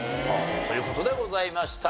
という事でございました。